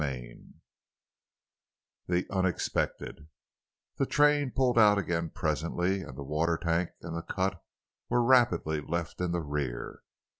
CHAPTER V—THE UNEXPECTED The train pulled out again presently, and the water tank and the cut were rapidly left in the rear.